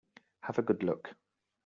Have a good look.